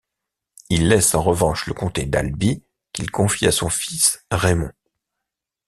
Il laisse en revanche le comté d'Albi, qu'il confie à son fils Raimond.